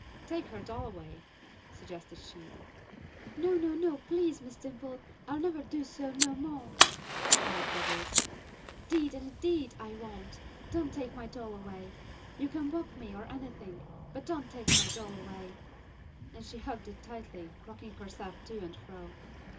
"Take her doll away," suggested she. "No! no! no! please, Miss Dimple, I'll never do so no mo'," cried Bubbles, "'deed an' 'deed, I won't. Don't take my doll away. Yuh can whup me, or anything, but don't tek my doll away," and she hugged it tightly, rocking herself to and fro.